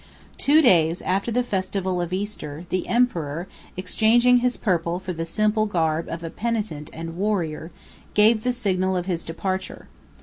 Two days after the festival of Easter, the emperor, exchanging his purple for the simple garb of a penitent and warrior, 78 gave the signal of his departure.